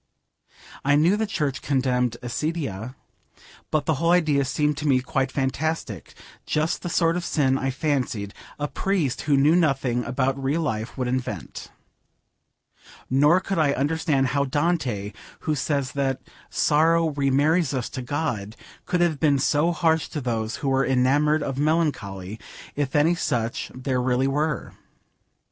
I knew the church condemned accidia, but the whole idea seemed to me quite fantastic, just the sort of sin, I fancied, a priest who knew nothing about real life would invent. Nor could I understand how Dante, who says that 'sorrow remarries us to God,' could have been so harsh to those who were enamoured of melancholy, if any such there really were.